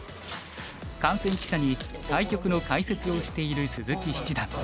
観戦記者に対局の解説をしている鈴木七段。